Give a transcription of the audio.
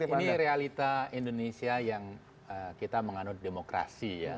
ini realita indonesia yang kita menganut demokrasi ya